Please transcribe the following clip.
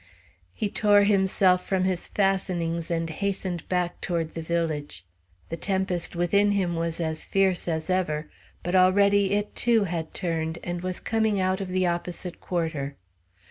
He tore himself from his fastenings and hastened back toward the village. The tempest within him was as fierce as ever; but already it, too, had turned and was coming out of the opposite quarter.